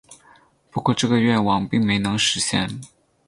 不过这个愿望并没能实现。